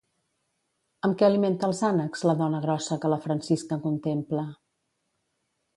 Amb què alimenta els ànecs, la dona grossa que la Francisca contempla?